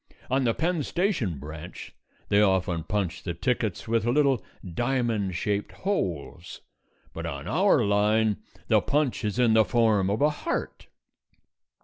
On the Penn Station branch they often punch the tickets with little diamond shaped holes; but on our line the punch is in the form of a heart.